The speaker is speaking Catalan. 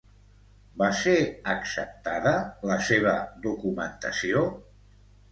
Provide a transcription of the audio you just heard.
Va ser acceptada la seva documentació?